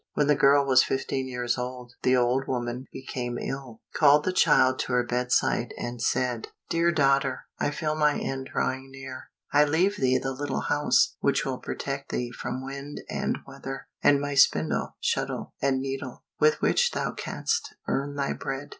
When the girl was fifteen years old, the old woman became ill, called the child to her bedside, and said, "Dear daughter, I feel my end drawing near. I leave thee the little house, which will protect thee from wind and weather, and my spindle, shuttle, and needle, with which thou canst earn thy bread."